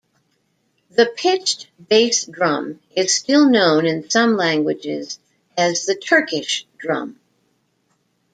The pitched bass drum is still known in some languages as the Turkish Drum.